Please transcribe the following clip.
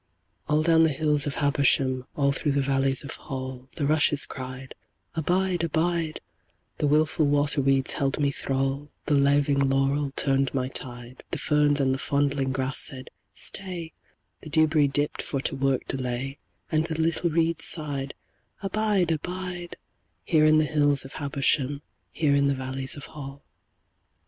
All down the hills of Habersham, All through the valleys of Hall, The rushes cried `Abide, abide,' The willful waterweeds held me thrall, The laving laurel turned my tide, The ferns and the fondling grass said `Stay,' The dewberry dipped for to work delay, And the little reeds sighed `Abide, abide, Here in the hills of Habersham, Here in the valleys of Hall.'